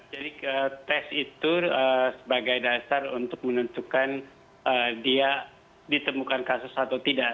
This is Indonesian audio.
jadi tes itu sebagai dasar untuk menentukan dia ditemukan kasus atau tidak